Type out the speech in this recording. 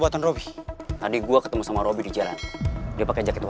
bosan banget mah disini